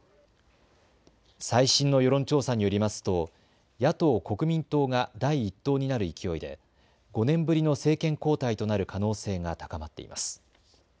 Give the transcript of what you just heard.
最新の世論調査によりますと野党・国民党が第１党になる勢いで５年ぶりの政権交代となる可能性が高まっています。